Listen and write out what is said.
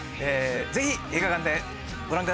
ぜひ映画館でご覧くだ。